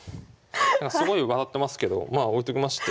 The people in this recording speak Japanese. なんかすごい笑ってますけどまあ置いときまして。